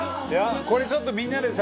これちょっとみんなでさ